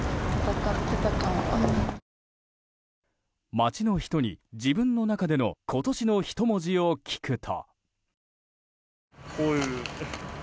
街の人に自分の中での今年の一文字を聞くと。